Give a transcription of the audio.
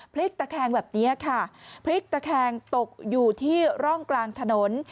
พลิกตะแคงแบบนี้ค่ะพลิกตะแคงตกอยู่ที่ร่องกลางถนน